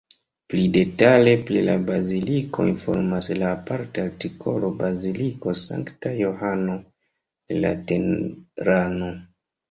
Pli detale pri la baziliko informas la aparta artikolo Baziliko Sankta Johano de Laterano.